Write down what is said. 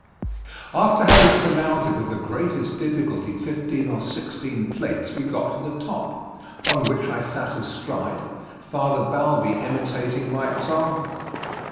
After having surmounted with the greatest difficulty fifteen or sixteen plates we got to the top, on which I sat astride, Father Balbi imitating my example.